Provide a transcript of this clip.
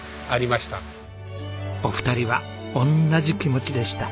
お二人はおんなじ気持ちでした。